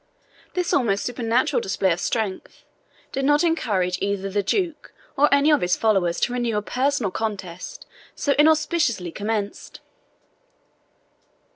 This almost supernatural display of strength did not encourage either the Duke or any of his followers to renew a personal contest so inauspiciously commenced.